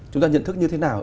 chúng ta nhận thức như thế nào